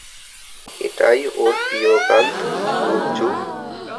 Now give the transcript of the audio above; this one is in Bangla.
এটাই ওর প্রিয় গান গুঞ্জু!